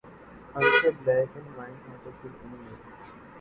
آنکھیں ’ black and white ‘ ہیں تو پھر ان میں